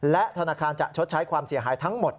และธนาคารจะชดใช้ความเสียหายทั้งหมด